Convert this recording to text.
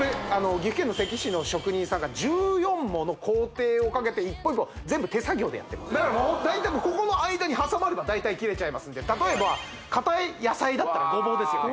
岐阜県の関市の職人さんが１４もの工程をかけて一本一本全部手作業でやってますだから大体ここの間に挟まれば大体切れちゃいますんで例えばかたい野菜だったらゴボウですよね